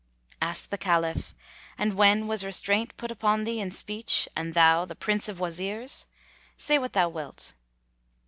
Asked the Caliph, "And when was restraint put upon thee in speech and thou the Prince of Wazirs? Say what thou wilt."